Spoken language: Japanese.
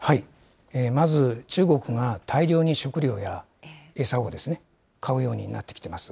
まず中国が大量に食料や餌を買うようになってきています。